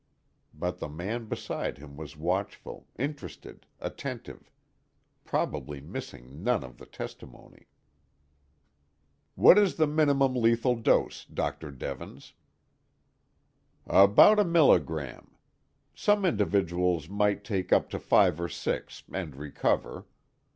But the man beside him was watchful, interested, attentive, probably missing none of the testimony. "What is the minimum lethal dose, Dr. Devens?" "About a milligram. Some individuals might take up to five or six, and recover.